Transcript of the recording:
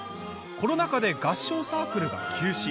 コロナ禍で合唱サークルが休止。